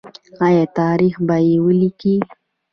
آیا تاریخ به یې ولیکي؟